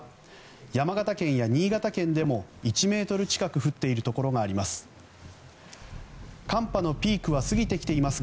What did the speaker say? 山形県や新潟県でも１ｍ近く降っているところがあります。